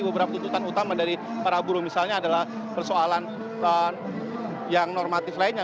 beberapa tuntutan utama dari para buruh misalnya adalah persoalan yang normatif lainnya